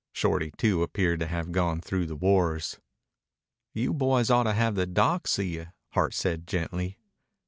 Shorty, too, appeared to have gone through the wars. "You boys oughtta have the doc see you," Hart said gently.